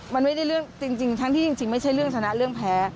มันไม่ได้เรื่องจริงทั้งที่จริงไม่ใช่เรื่องชนะเรื่องแพ้